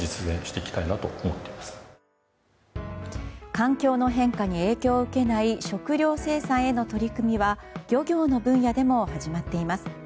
環境の変化に影響を受けない食料生産への取り組みは漁業の分野でも始まっています。